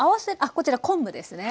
こちら昆布ですね。